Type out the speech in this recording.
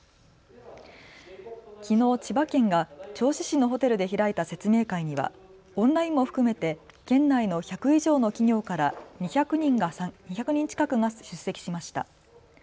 きのう千葉県が銚子市のホテルで開いた説明会にはオンラインも含めて県内の１００以上の企業から２００人近くが出席しました。